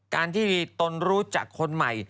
การที่มีตนรู้จักคนใหม่